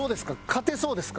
勝てそうですか？